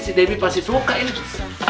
si dewi pasti suka ini